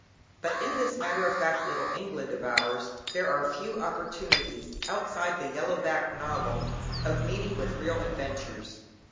But in this matter of fact little England of ours there are few opportunities, outside the yellow backed novel, of meeting with real adventures.